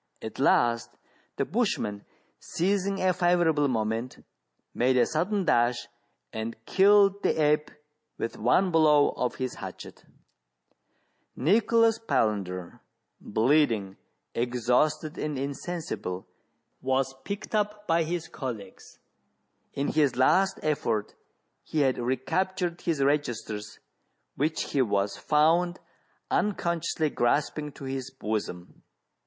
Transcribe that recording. At last the bushman, seizing a favourable moment, made a sudden dash, and killed the ape with one blow of his hatchet Nicholas Palander, bleeding, exhausted, and insensible, was picked up by his colleagues : in his last effort he had recaptured his registers, which he was found unconsciously grasping to his bosom.